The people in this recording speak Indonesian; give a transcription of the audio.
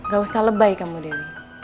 gak usah lebay kamu denny